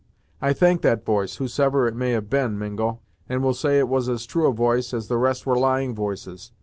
"I thank that voice whosever it may have been, Mingo, and will say it was as true a voice as the rest were lying voices.